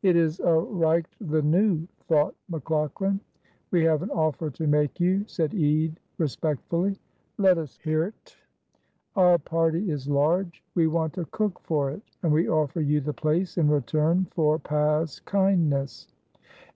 "It is a' reicht the noo!" thought McLaughlan. "We have an offer to make you," said Ede, respectfully. "Let us hear't." "Our party is large; we want a cook for it, and we offer you the place in return for past kindness."